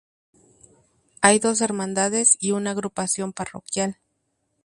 Hay dos hermandades y una agrupación parroquial.